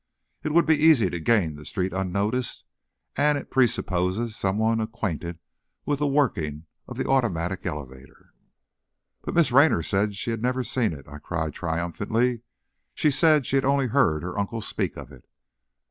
It would be easy to gain the street unnoticed, and it presupposes someone acquainted with the working of the automatic elevator." "But Miss Raynor said she had never seen it," I cried, triumphantly. "She said she had only heard her uncle speak of it!"